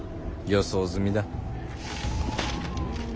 予想済みだ。